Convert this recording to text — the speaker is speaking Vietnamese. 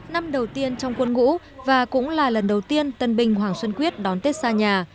năm đầu tiên trong quân ngũ và cũng là lần đầu tiên tân binh hoàng xuân quyết đón tết xa nhà